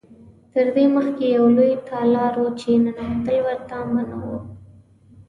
تر دې مخکې یو لوی تالار و چې ننوتل ورته منع و.